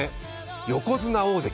横綱大関。